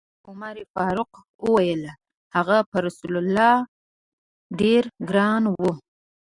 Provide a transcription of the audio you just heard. حضرت عمر فاروق وویل: هغه پر رسول الله ډېر ګران و.